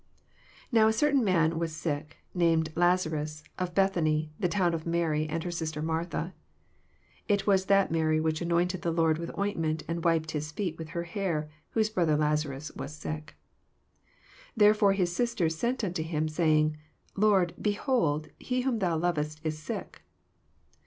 1—6. . 1 Now a eertain man was siok, named Lazarus, of Bethany, the town of Ma tj and her sister Martha. 2 (It was that Mary which anointed the Lord with ointment, and wiped his feet with her hair, whose brother Laza rus wassiok.) 3 Therefore his sisters sent unto him, saying, Lord, behold, he whom thou lowest is sick.